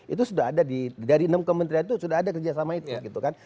itu sudah ada dari enam kementerian itu sudah ada kerjasama itu gitu kan